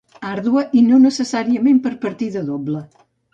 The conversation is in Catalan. Àrdua, i no necessàriament per partida doble.